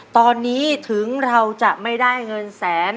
ตอนนี้ถึงเราจะไม่ได้เงินแสน